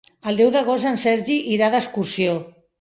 El deu d'agost en Sergi irà d'excursió.